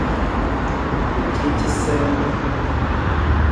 U ci casiim.